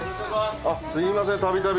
あっすいません度々。